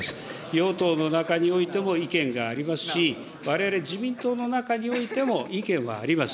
与党の中においても意見がありますし、われわれ自民党の中においても意見はあります。